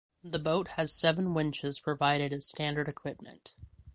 The boat has seven winches provided as standard equipment.